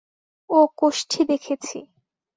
ও কোষ্ঠী দেখেছি।